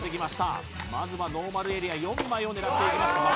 まずはノーマルエリア４枚を狙っていきます